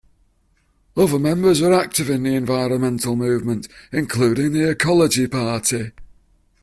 Other members were active in the environmental movement, including the Ecology Party.